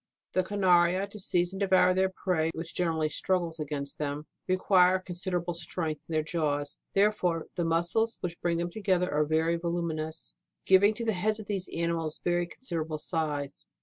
The Carnaria, to seize and devour their prey, which generally strug gles against them, require considerable strength in their jaws ; therefore, the muscles which bring them together are very volum inous, giving to the heads of these animals very considerable size.